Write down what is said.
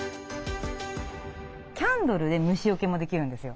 キャンドルで虫よけもできるんですよ。